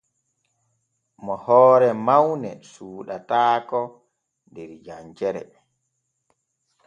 Mo hoore mawne suuɗataako der jancere.